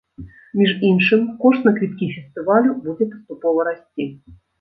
Між іншым, кошт на квіткі фестывалю будзе паступова расці.